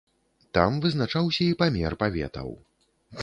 Там вызначаўся і памер паветаў.